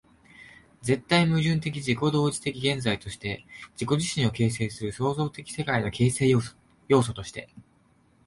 絶対矛盾的自己同一的現在として、自己自身を形成する創造的世界の形成要素として、